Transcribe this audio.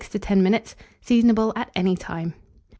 6 to 10 minutes. Seasonable at any time.